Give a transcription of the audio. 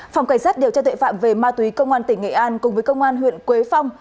phòng cảnh sát điều tra tuệ phạm về ma túy công an tỉnh nghệ an cùng với công an huyện quế phong